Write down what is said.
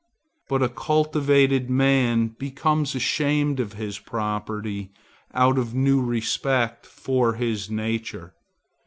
But a cultivated man becomes ashamed of his property, out of new respect for his nature.